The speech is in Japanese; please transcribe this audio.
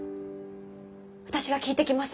私が聞いてきます。